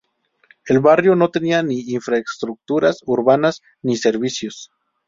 El barrio no tenía ni infraestructuras urbanas ni servicios.